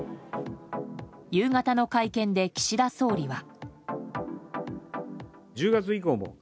夕方の会見で岸田総理は。